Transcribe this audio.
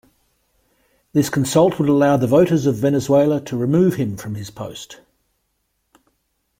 This consult would allow the voters of Venezuela to remove him from his post.